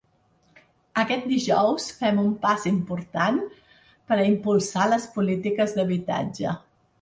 Aquest dijous fem un pas important per a impulsar les polítiques d’habitatge.